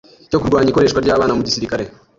cyo kurwanya ikoreshwa ry’abana mu gisirikare